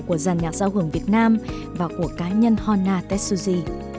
của giàn nhạc giao hưởng việt nam và của cá nhân hona tetsuji